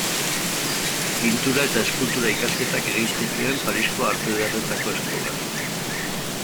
Pintura- eta eskultura-ikasketak egin zituen Parisko Arte Ederretako Eskolan.